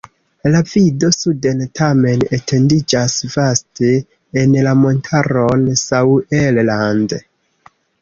La vido suden tamen etendiĝas vaste en la montaron Sauerland.